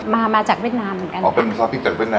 มาจากเวียดนามเหมือนกันอ๋อเป็นซอสพริกจากเวียดนา